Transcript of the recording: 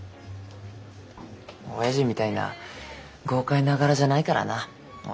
おやじみたいな豪快な柄じゃないからな俺。